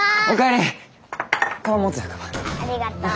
ありがとう。